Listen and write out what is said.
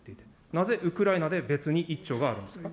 なぜウクライナで別に１兆があるんですか。